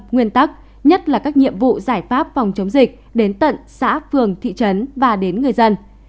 nguyên tắc nhất là các nhiệm vụ giải pháp phòng chống dịch đến tận xã phường thị trấn và đến người dân